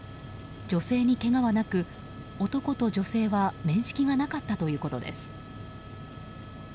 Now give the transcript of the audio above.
女性にけがはなく、男と女性は面識がなかったということです。